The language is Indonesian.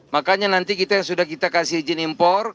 makanya nanti kita yang sudah kita kasih izin impor